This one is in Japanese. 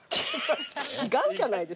違うじゃないですか。